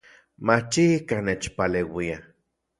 Machikaj nechpaleuia